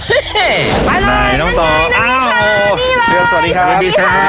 เฮ้เฮไปเลยน้องตองอ้าวเฮียสวัสดีครับ